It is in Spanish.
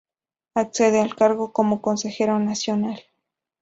Accede al cargo como Consejero Nacional.